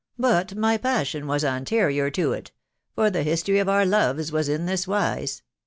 but my passion was anterior to it, .... for the history of our loves was in this wise.